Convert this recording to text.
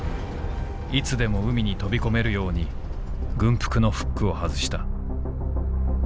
いつでも海に飛び込めるように軍服のフックを外した」。